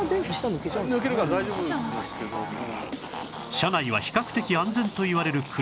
車内は比較的安全といわれる車